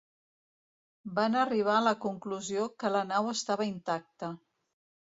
Van arribar a la conclusió que la nau estava intacta.